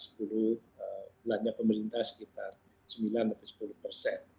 belanya pemerintah sekitar